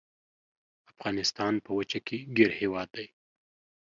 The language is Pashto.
افغانستان په وچه کې ګیر هیواد دی.